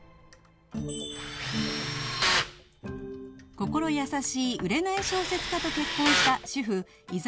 心優しい売れない小説家と結婚した主婦伊沢